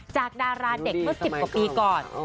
ดาราเด็กเมื่อ๑๐กว่าปีก่อน